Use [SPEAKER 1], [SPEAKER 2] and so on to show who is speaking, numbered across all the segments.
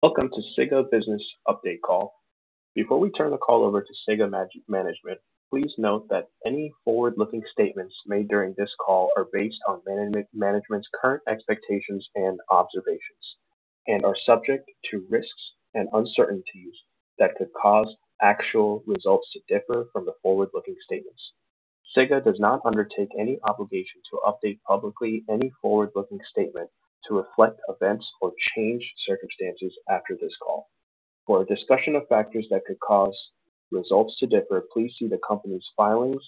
[SPEAKER 1] Welcome to SIGA Business Update Call. Before we turn the call over to SIGA management, please note that any forward-looking statements made during this call are based on management's current expectations and observations, and are subject to risks and uncertainties that could cause actual results to differ from the forward-looking statements. SIGA does not undertake any obligation to update publicly any forward-looking statement to reflect events or changed circumstances after this call. For a discussion of factors that could cause results to differ, please see the company's filings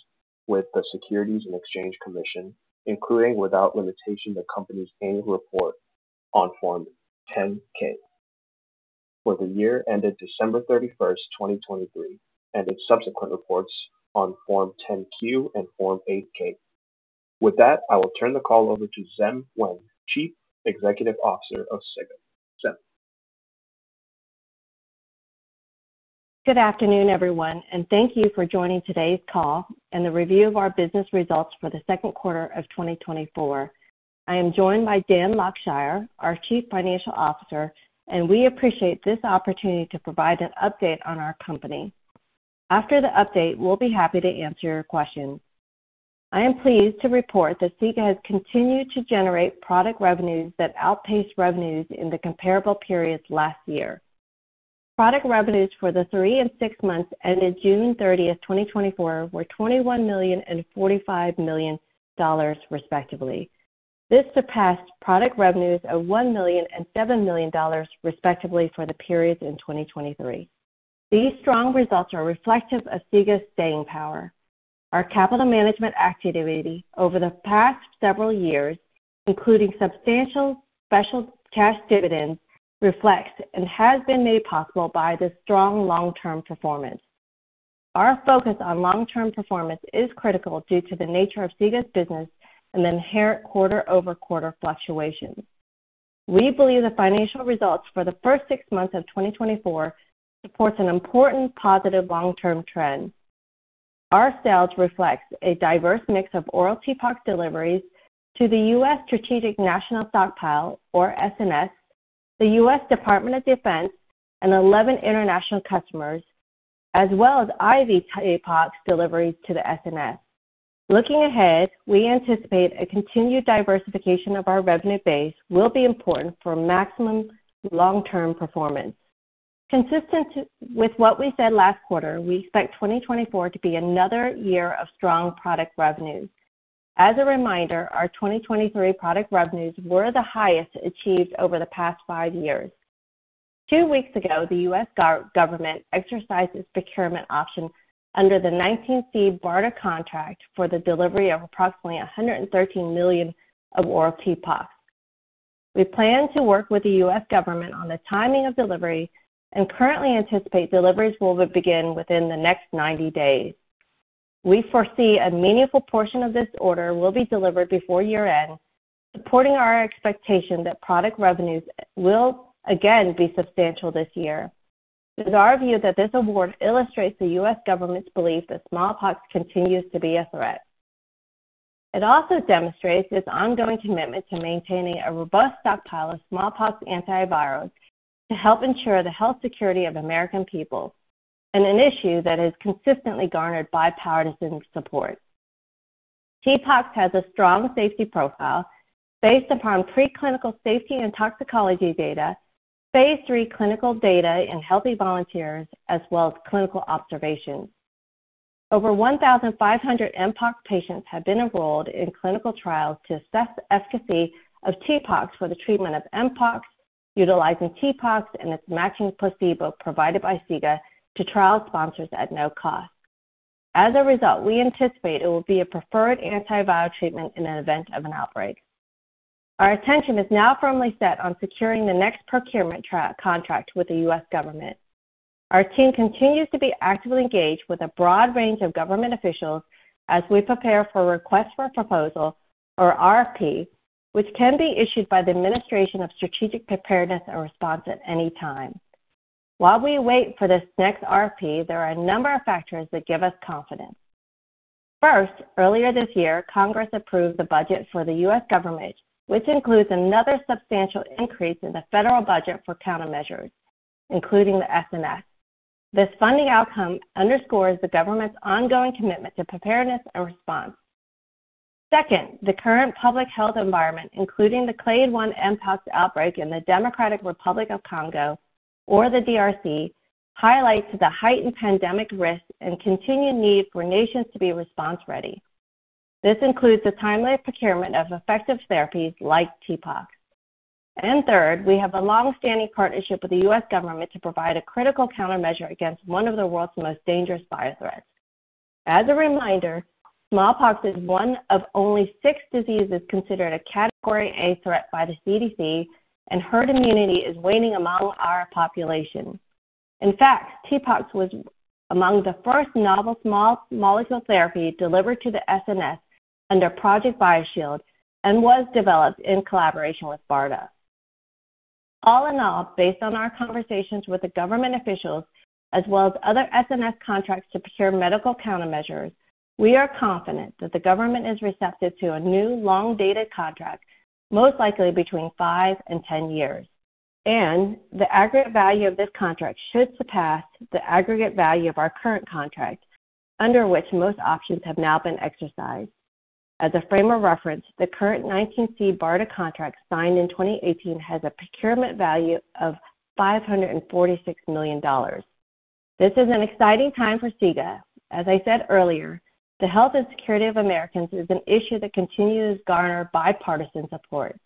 [SPEAKER 1] with the Securities and Exchange Commission, including, without limitation, the company's annual report on Form 10-K for the year ended December 31, 2023, and its subsequent reports on Form 10-Q and Form 8-K. With that, I will turn the call over to Zen Wang, Chief Executive Officer of SIGA. Zen?
[SPEAKER 2] Good afternoon, everyone, and thank you for joining today's call and the review of our business results for the second quarter of 2024. I am joined by Dan Luckshire, our Chief Financial Officer, and we appreciate this opportunity to provide an update on our company. After the update, we'll be happy to answer your questions. I am pleased to report that SIGA has continued to generate product revenues that outpace revenues in the comparable periods last year. Product revenues for the three and six months ended June thirtieth, 2024, were $21 million and $45 million, respectively. This surpassed product revenues of $1 million and $7 million, respectively, for the periods in 2023. These strong results are reflective of SIGA's staying power. Our capital management activity over the past several years, including substantial special cash dividends, reflects and has been made possible by the strong long-term performance. Our focus on long-term performance is critical due to the nature of SIGA's business and inherent quarter-over-quarter fluctuations. We believe the financial results for the first six months of 2024 supports an important positive long-term trend. Our sales reflects a diverse mix of oral TPOXX deliveries to the U.S. Strategic National Stockpile, or SNS, the U.S. Department of Defense, and 11 international customers, as well as IV TPOXX deliveries to the SNS. Looking ahead, we anticipate a continued diversification of our revenue base will be important for maximum long-term performance. Consistent with what we said last quarter, we expect 2024 to be another year of strong product revenues. As a reminder, our 2023 product revenues were the highest achieved over the past five years. Two weeks ago, the U.S. government exercised its procurement option under the 19C BARDA contract for the delivery of approximately $113 million of oral TPOXX. We plan to work with the U.S. government on the timing of delivery and currently anticipate deliveries will begin within the next 90 days. We foresee a meaningful portion of this order will be delivered before year-end, supporting our expectation that product revenues will again be substantial this year. It is our view that this award illustrates the U.S. government's belief that smallpox continues to be a threat. It also demonstrates its ongoing commitment to maintaining a robust stockpile of smallpox antivirals to help ensure the health security of the American people in an issue that has consistently garnered bipartisan support. TPOXX has a strong safety profile based upon preclinical safety and toxicology data, phase 3 clinical data in healthy volunteers, as well as clinical observations. Over 1,500 mpox patients have been enrolled in clinical trials to assess the efficacy of TPOXX for the treatment of mpox, utilizing TPOXX and its matching placebo provided by SIGA to trial sponsors at no cost. As a result, we anticipate it will be a preferred antiviral treatment in an event of an outbreak. Our attention is now firmly set on securing the next procurement contract with the U.S. government. Our team continues to be actively engaged with a broad range of government officials as we prepare for a request for proposal, or RFP, which can be issued by the Administration of Strategic Preparedness and Response at any time. While we wait for this next RFP, there are a number of factors that give us confidence. First, earlier this year, Congress approved the budget for the U.S. government, which includes another substantial increase in the federal budget for countermeasures, including the SNS. This funding outcome underscores the government's ongoing commitment to preparedness and response. Second, the current public health environment, including the Clade I mpox outbreak in the Democratic Republic of the Congo, or the DRC, highlights the heightened pandemic risk and continued need for nations to be response ready. This includes the timely procurement of effective therapies like TPOXX. And third, we have a long-standing partnership with the U.S. government to provide a critical countermeasure against one of the world's most dangerous biothreats. As a reminder, smallpox is one of only six diseases considered a Category A threat by the CDC, and herd immunity is waning among our population. In fact, TPOXX was among the first novel small-molecule therapy delivered to the SNS under Project BioShield and was developed in collaboration with BARDA. All in all, based on our conversations with the government officials as well as other SNS contracts to procure medical countermeasures, we are confident that the government is receptive to a new, long-dated contract, most likely between 5 and 10 years and the aggregate value of this contract should surpass the aggregate value of our current contract, under which most options have now been exercised. As a frame of reference, the current 19C BARDA contract signed in 2018 has a procurement value of $546 million. This is an exciting time for SIGA. As I said earlier, the health and security of Americans is an issue that continues to garner bipartisan support.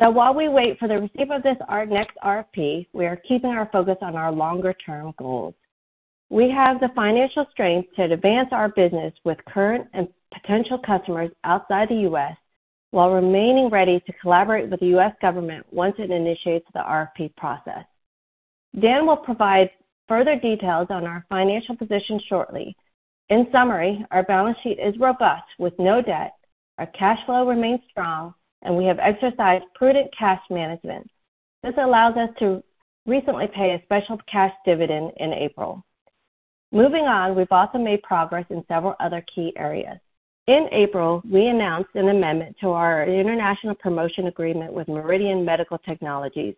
[SPEAKER 2] So while we wait for the receipt of this, our next RFP, we are keeping our focus on our longer-term goals. We have the financial strength to advance our business with current and potential customers outside the U.S., while remaining ready to collaborate with the U.S. government once it initiates the RFP process. Dan will provide further details on our financial position shortly. In summary, our balance sheet is robust with no debt, our cash flow remains strong, and we have exercised prudent cash management. This allows us to recently pay a special cash dividend in April. Moving on, we've also made progress in several other key areas. In April, we announced an amendment to our international promotion agreement with Meridian Medical Technologies,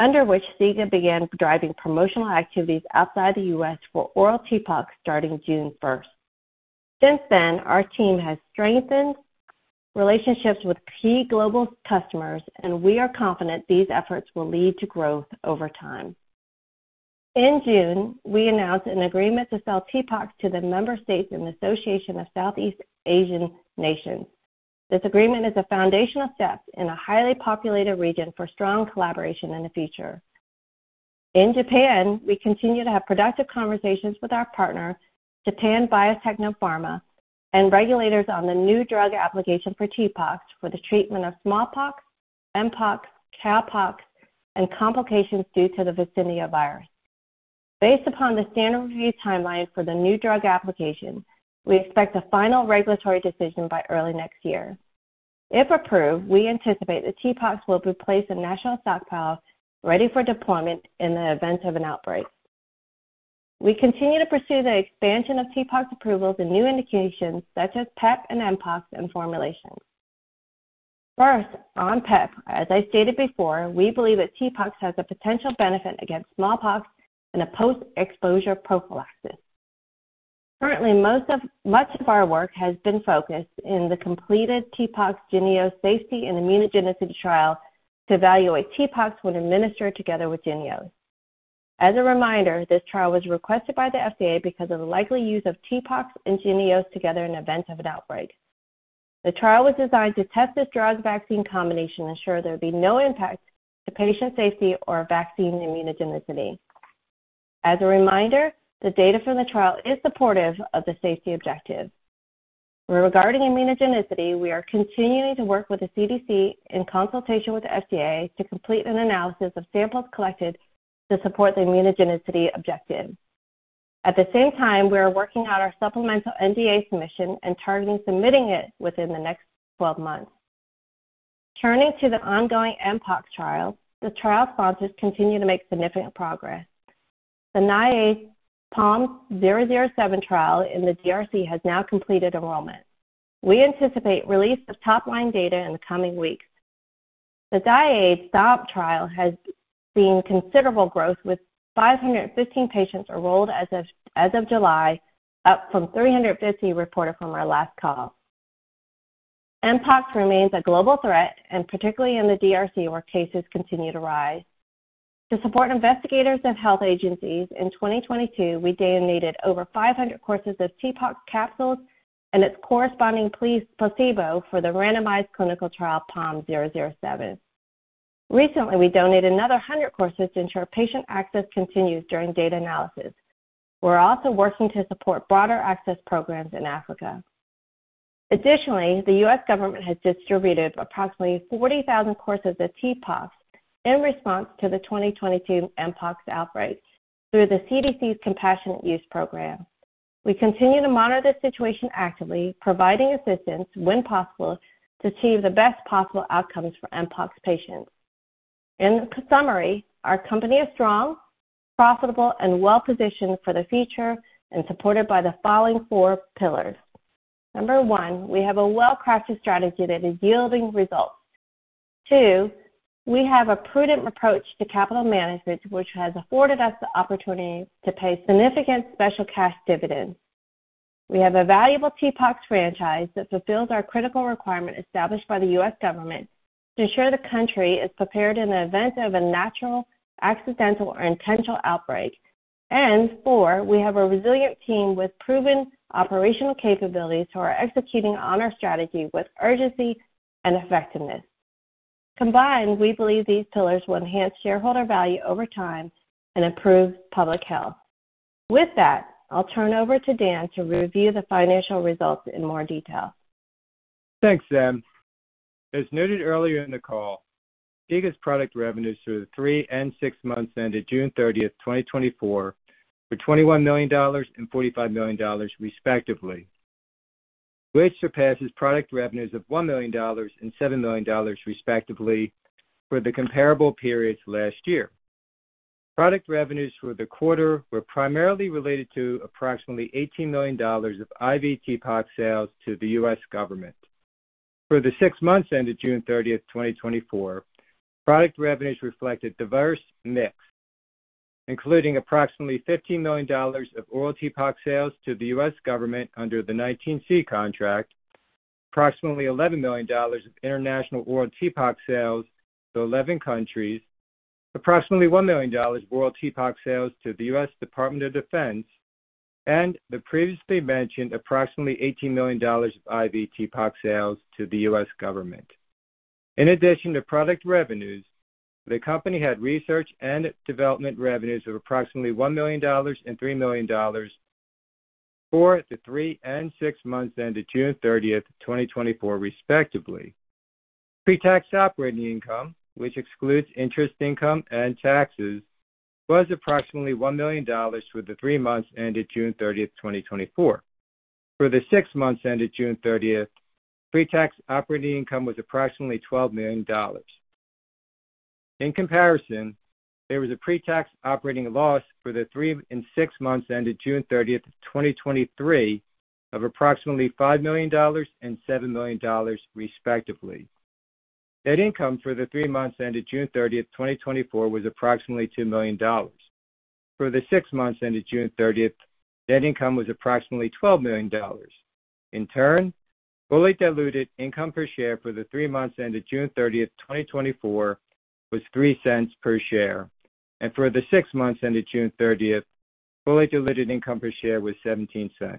[SPEAKER 2] under which SIGA began driving promotional activities outside the U.S. for oral TPOXX starting June first. Since then, our team has strengthened relationships with key global customers, and we are confident these efforts will lead to growth over time. In June, we announced an agreement to sell TPOXX to the member states in the Association of Southeast Asian Nations. This agreement is a foundational step in a highly populated region for strong collaboration in the future. In Japan, we continue to have productive conversations with our partner, Japan Biotechno Pharma, and regulators on the new drug application for TPOXX, for the treatment of smallpox, mpox, cowpox, and complications due to the vaccinia virus. Based upon the standard review timeline for the new drug application, we expect a final regulatory decision by early next year. If approved, we anticipate that TPOXX will be placed in national stockpile, ready for deployment in the event of an outbreak. We continue to pursue the expansion of TPOXX approvals and new indications such as PEP and mpox and formulations. First, on PEP. As I stated before, we believe that TPOXX has a potential benefit against smallpox in a post-exposure prophylaxis. Currently, most of our work has been focused in the completed TPOXX JYNNEOS safety and immunogenicity trial to evaluate TPOXX when administered together with JYNNEOS. As a reminder, this trial was requested by the FDA because of the likely use of TPOXX and JYNNEOS together in event of an outbreak. The trial was designed to test this drug-vaccine combination to ensure there'd be no impact to patient safety or vaccine immunogenicity. As a reminder, the data from the trial is supportive of the safety objective. Regarding immunogenicity, we are continuing to work with the CDC in consultation with the FDA, to complete an analysis of samples collected to support the immunogenicity objective. At the same time, we are working out our supplemental NDA submission and targeting submitting it within the next 12 months. Turning to the ongoing mpox trial, the trial sponsors continue to make significant progress. The NIAID's PALM007 trial in the DRC has now completed enrollment. We anticipate release of top-line data in the coming weeks. The NIAID STOMP trial has seen considerable growth, with 515 patients enrolled as of July, up from 350 reported from our last call. Mpox remains a global threat, and particularly in the DRC, where cases continue to rise. To support investigators and health agencies, in 2022, we donated over 500 courses of TPOXX capsules and its corresponding placebo for the randomized clinical trial, PALM007. Recently, we donated another 100 courses to ensure patient access continues during data analysis. We're also working to support broader access programs in Africa. Additionally, the U.S. government has distributed approximately 40,000 courses of TPOXX in response to the 2022 mpox outbreak through the CDC's Compassionate Use Program. We continue to monitor the situation actively, providing assistance when possible, to achieve the best possible outcomes for mpox patients. In summary, our company is strong, profitable, and well-positioned for the future and supported by the following four pillars. Number one, we have a well-crafted strategy that is yielding results. two, we have a prudent approach to capital management, which has afforded us the opportunity to pay significant special cash dividends. We have a valuable TPOXX franchise that fulfills our critical requirement established by the U.S. government to ensure the country is prepared in the event of a natural, accidental, or intentional outbreak. four, we have a resilient team with proven operational capabilities who are executing on our strategy with urgency and effectiveness. Combined, we believe these pillars will enhance shareholder value over time and improve public health. With that, I'll turn it over to Dan to review the financial results in more detail.
[SPEAKER 3] Thanks, Sam. As noted earlier in the call, SIGA's product revenues for the 3 and 6 months ended June thirtieth, 2024, were $21 million and $45 million, respectively, which surpasses product revenues of $1 million and $7 million, respectively, for the comparable periods last year. Product revenues for the quarter were primarily related to approximately $18 million of IV TPOXX sales to the U.S. government. For the 6 months ended June thirtieth, 2024, product revenues reflected diverse mix, including approximately $15 million of oral TPOXX sales to the U.S. government under the 19C contract, approximately $11 million of international oral TPOXX sales to 11 countries, approximately $1 million of oral TPOXX sales to the U.S. Department of Defense, and the previously mentioned approximately $18 million of IV TPOXX sales to the U.S. government. In addition to product revenues, the company had research and development revenues of approximately $1 million and $3 million for the three and six months ended June 30, 2024, respectively. Pre-tax operating income, which excludes interest, income, and taxes, was approximately $1 million for the three months ended June 30, 2024. For the six months ended June 30, pre-tax operating income was approximately $12 million. In comparison, there was a pre-tax operating loss for the three and six months ended June 30, 2023, of approximately $5 million and $7 million, respectively. Net income for the three months ended June 30, 2024, was approximately $2 million. For the six months ended June 30, net income was approximately $12 million. In turn, fully diluted income per share for the three months ended June 30, 2024, was $0.03 per share, and for the six months ended June 30, fully diluted income per share was $0.17.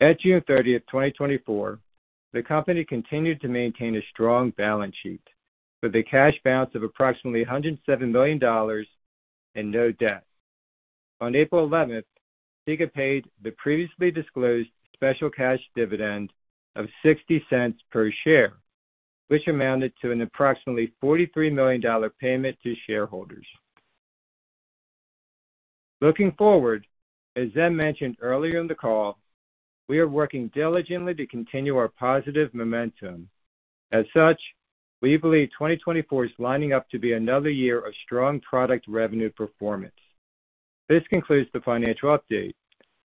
[SPEAKER 3] At June 30, 2024, the company continued to maintain a strong balance sheet with a cash balance of approximately $107 million and no debt. On April 11, SIGA paid the previously disclosed special cash dividend of $0.60 per share, which amounted to approximately $43 million payment to shareholders. Looking forward, as Zen mentioned earlier in the call, we are working diligently to continue our positive momentum. As such, we believe 2024 is lining up to be another year of strong product revenue performance. This concludes the financial update.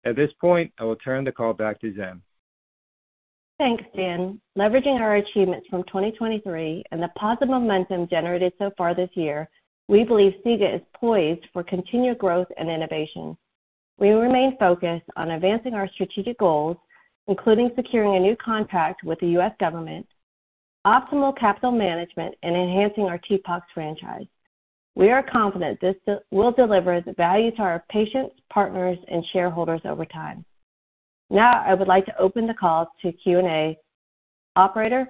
[SPEAKER 3] At this point, I will turn the call back to Zen.
[SPEAKER 2] Thanks, Dan. Leveraging our achievements from 2023 and the positive momentum generated so far this year, we believe SIGA is poised for continued growth and innovation. We remain focused on advancing our strategic goals, including securing a new contract with the U.S. government, optimal capital management, and enhancing our TPOXX franchise. We are confident this deal will deliver the value to our patients, partners, and shareholders over time. Now, I would like to open the call to Q&A. Operator?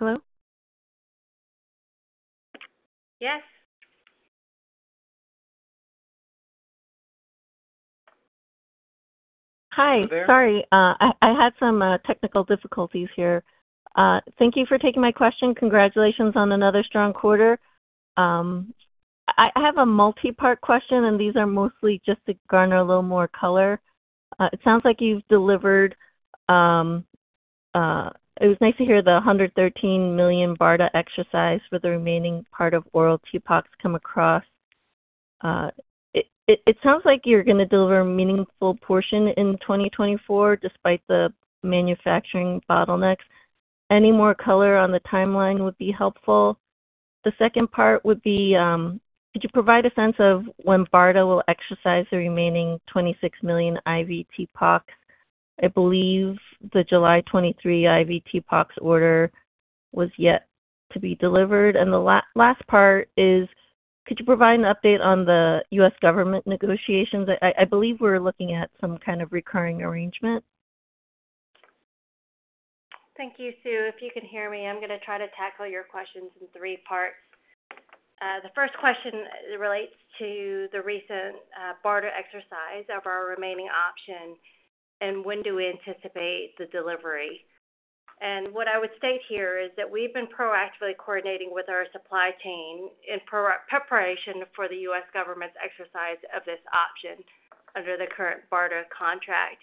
[SPEAKER 4] Hello?
[SPEAKER 2] Yes.
[SPEAKER 4] Hi. Sorry, I had some technical difficulties here. Thank you for taking my question. Congratulations on another strong quarter. I have a multi-part question, and these are mostly just to garner a little more color. It sounds like you've delivered. It was nice to hear the $113 million BARDA exercise with the remaining part of oral TPOXX come across. It sounds like you're gonna deliver a meaningful portion in 2024, despite the manufacturing bottlenecks. Any more color on the timeline would be helpful. The second part would be, could you provide a sense of when BARDA will exercise the remaining $26 million IV TPOXX? I believe the July 2023 IV TPOXX order was yet to be delivered. And the last part is: could you provide an update on the U.S. government negotiations? I believe we're looking at some kind of recurring arrangement.
[SPEAKER 2] Thank you, Sue. If you can hear me, I'm gonna try to tackle your questions in three parts. The first question relates to the recent BARDA exercise of our remaining option, and when do we anticipate the delivery? And what I would state here is that we've been proactively coordinating with our supply chain in preparation for the U.S. government's exercise of this option under the current BARDA contract,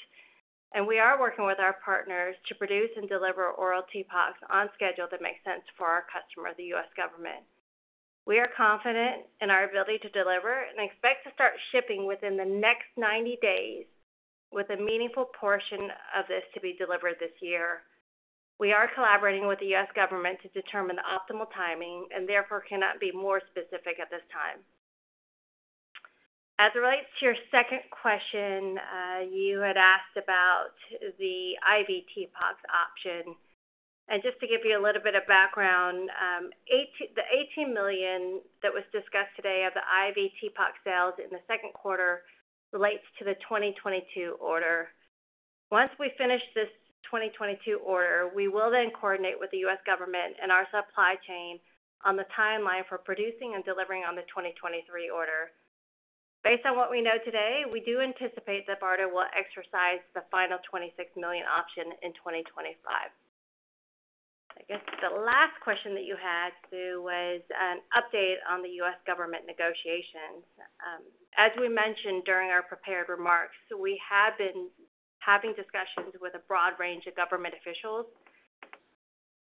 [SPEAKER 2] and we are working with our partners to produce and deliver oral TPOXX on schedule that makes sense for our customer, the U.S. government. We are confident in our ability to deliver and expect to start shipping within the next 90 days, with a meaningful portion of this to be delivered this year. We are collaborating with the U.S. government to determine the optimal timing and therefore cannot be more specific at this time. As it relates to your second question, you had asked about the IV TPOXX option, and just to give you a little bit of background, the $18 million that was discussed today of the IV TPOXX sales in the second quarter relates to the 2022 order. Once we finish this 2022 order, we will then coordinate with the U.S. government and our supply chain on the timeline for producing and delivering on the 2023 order. Based on what we know today, we do anticipate that BARDA will exercise the final $26 million option in 2025. I guess the last question that you had, Sue, was an update on the U.S. government negotiations. As we mentioned during our prepared remarks, we have been having discussions with a broad range of government officials.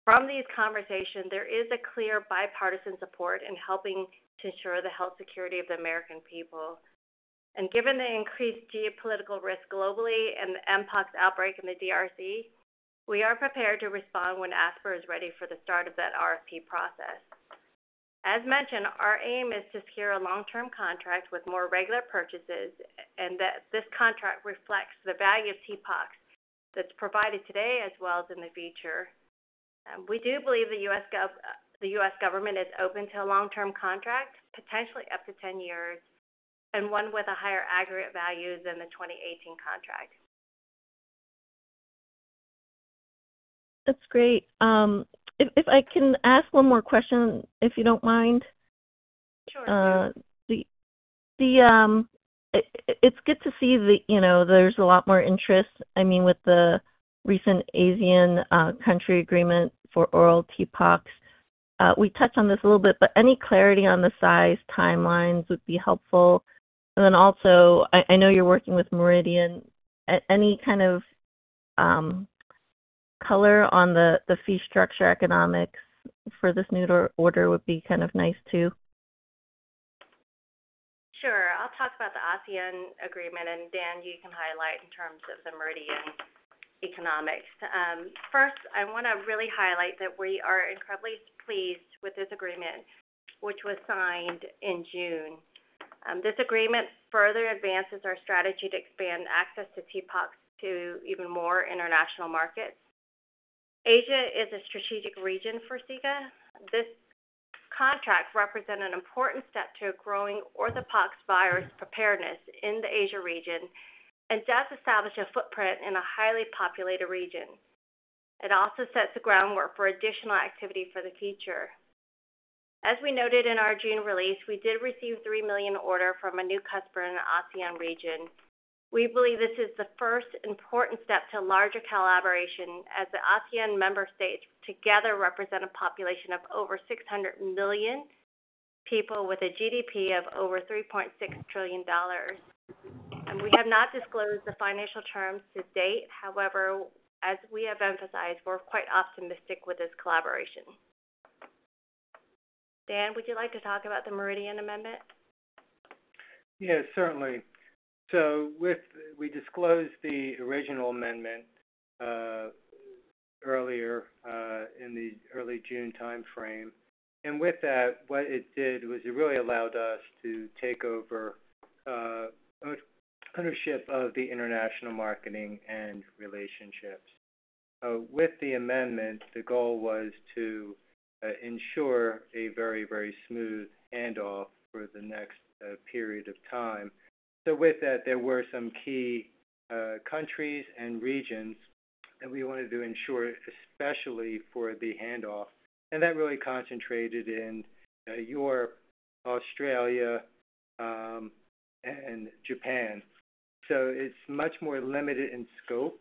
[SPEAKER 2] From these conversations, there is a clear bipartisan support in helping to ensure the health security of the American people. Given the increased geopolitical risk globally and the mpox outbreak in the DRC, we are prepared to respond when ASPR is ready for the start of that RFP process. As mentioned, our aim is to secure a long-term contract with more regular purchases, and that this contract reflects the value of TPOXX that's provided today as well as in the future. We do believe the U.S. government is open to a long-term contract, potentially up to 10 years, and one with a higher aggregate value than the 2018 contract.
[SPEAKER 4] That's great. If I can ask one more question, if you don't mind?
[SPEAKER 2] Sure.
[SPEAKER 4] It's good to see that, you know, there's a lot more interest, I mean, with the recent ASEAN country agreement for oral TPOXX. We touched on this a little bit, but any clarity on the size, timelines would be helpful. And then also, I know you're working with Meridian. Any kind of color on the fee structure economics for this new order would be kind of nice, too.
[SPEAKER 2] Sure. I'll talk about the ASEAN agreement, and Dan, you can highlight in terms of the Meridian economics. First, I want to really highlight that we are incredibly pleased with this agreement, which was signed in June. This agreement further advances our strategy to expand access to TPOXX to even more international markets. Asia is a strategic region for SIGA. This contract represent an important step to growing orthopox virus preparedness in the Asia region and does establish a footprint in a highly populated region. It also sets the groundwork for additional activity for the future. As we noted in our June release, we did receive $3 million order from a new customer in the ASEAN region. We believe this is the first important step to larger collaboration, as the ASEAN member states together represent a population of over 600 million people with a GDP of over $3.6 trillion. We have not disclosed the financial terms to date. However, as we have emphasized, we're quite optimistic with this collaboration. Dan, would you like to talk about the Meridian amendment?
[SPEAKER 3] Yes, certainly. So, we disclosed the original amendment earlier in the early June timeframe. And with that, what it did was it really allowed us to take over ownership of the international marketing and relationships. So with the amendment, the goal was to ensure a very, very smooth handoff for the next period of time. So with that, there were some key countries and regions that we wanted to ensure, especially for the handoff, and that really concentrated in Europe, Australia, and Japan. So it's much more limited in scope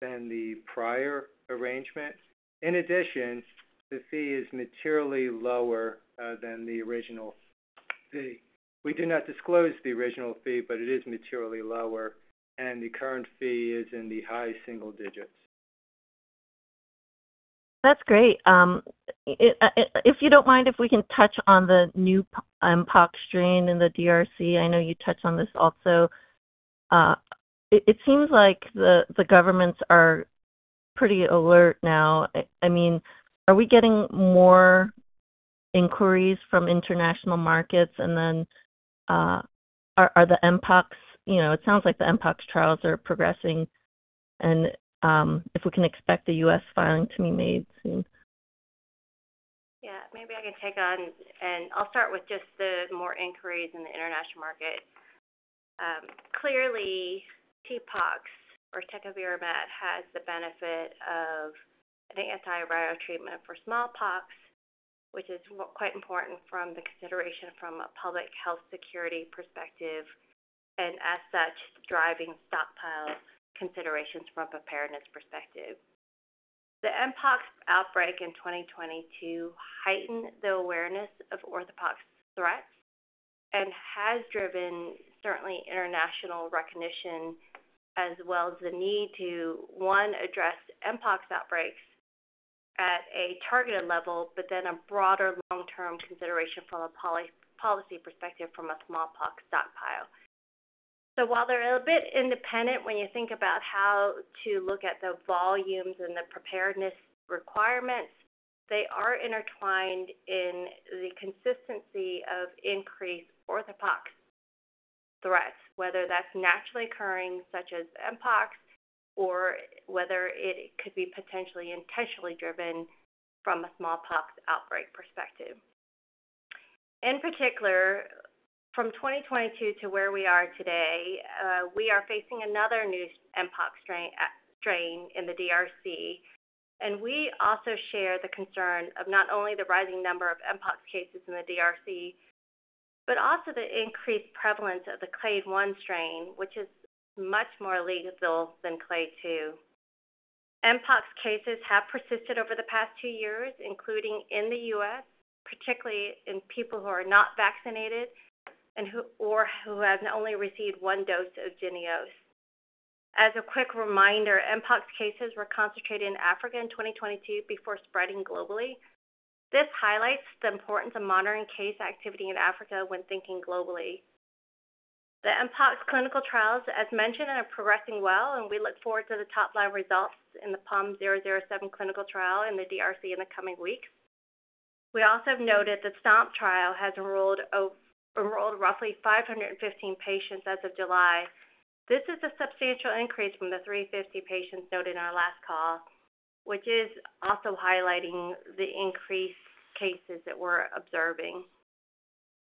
[SPEAKER 3] than the prior arrangement. In addition, the fee is materially lower than the original fee. We do not disclose the original fee, but it is materially lower, and the current fee is in the high single digits.
[SPEAKER 4] That's great. If you don't mind, if we can touch on the new pox strain in the DRC, I know you touched on this also. It seems like the governments are pretty alert now. I mean, are we getting more inquiries from international markets? And then, are the mpox, you know, it sounds like the mpox trials are progressing and, if we can expect a U.S. filing to be made soon.
[SPEAKER 2] Yeah, maybe I can take on, and I'll start with just the more inquiries in the international market. Clearly, TPOXX or tecovirimat has the benefit of an antiviral treatment for smallpox, which is quite important from the consideration from a public health security perspective, and as such, driving stockpile considerations from a preparedness perspective. The mpox outbreak in 2022 heightened the awareness of orthopox threats and has driven certainly international recognition, as well as the need to, one, address mpox outbreaks at a targeted level, but then a broader long-term consideration from a policy perspective from a smallpox stockpile. So while they're a bit independent, when you think about how to look at the volumes and the preparedness requirements, they are intertwined in the consistency of increased orthopox threats, whether that's naturally occurring, such as mpox, or whether it could be potentially intentionally driven from a smallpox outbreak perspective. In particular, from 2022 to where we are today, we are facing another new mpox strain in the DRC, and we also share the concern of not only the rising number of mpox cases in the DRC, but also the increased prevalence of the Clade I strain, which is much more lethal than Clade II. Mpox cases have persisted over the past two years, including in the U.S., particularly in people who are not vaccinated and who, or who have only received one dose of JYNNEOS. As a quick reminder, mpox cases were concentrated in Africa in 2022 before spreading globally. This highlights the importance of monitoring case activity in Africa when thinking globally. The mpox clinical trials, as mentioned, are progressing well, and we look forward to the top-line results in the PALM007 clinical trial in the DRC in the coming weeks. We also have noted the STOMP trial has enrolled roughly 515 patients as of July. This is a substantial increase from the 350 patients noted in our last call, which is also highlighting the increased cases that we're observing.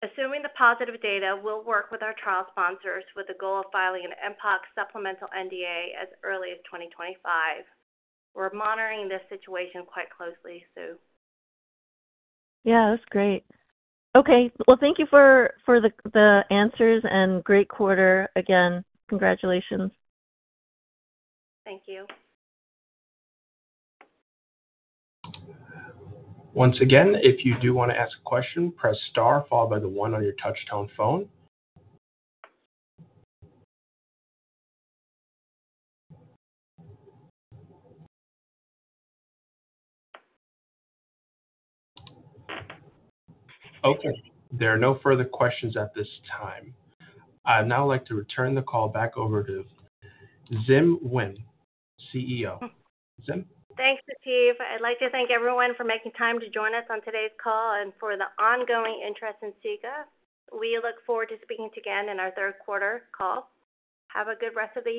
[SPEAKER 2] Assuming the positive data, we'll work with our trial sponsors with the goal of filing an mpox supplemental NDA as early as 2025. We're monitoring this situation quite closely, Sue.
[SPEAKER 4] Yeah, that's great. Okay, well, thank you for the answers and great quarter. Again, congratulations.
[SPEAKER 2] Thank you.
[SPEAKER 1] Once again, if you do want to ask a question, press star followed by the one on your touch-tone phone. Okay, there are no further questions at this time. I'd now like to return the call back over to Zen Wang, CEO. Zen?
[SPEAKER 2] Thanks, Steve. I'd like to thank everyone for making time to join us on today's call and for the ongoing interest in SIGA. We look forward to speaking again in our third quarter call. Have a good rest of the year.